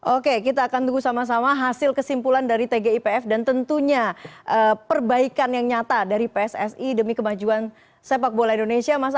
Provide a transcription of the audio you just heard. oke kita akan tunggu sama sama hasil kesimpulan dari tgipf dan tentunya perbaikan yang nyata dari pssi demi kemajuan sepak bola indonesia